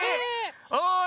おい！